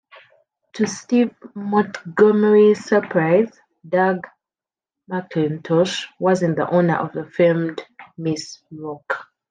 To Steve Montgomery's surprise, Doug McIntosh wasn't the owner of the famed "Miss Rock".